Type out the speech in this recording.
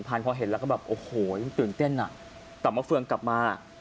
พันธุ์พอเห็นแล้วก็ตื่นเต้นน่ะต่ำมะเฟืองกลับมา